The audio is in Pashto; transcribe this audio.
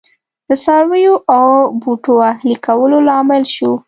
د څارویو او بوټو اهلي کولو لامل شو